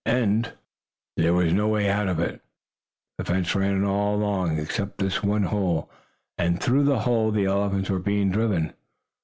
And there was no way out of it. The fence ran all about it, except this one hole. And through that hole the elephants were being driven.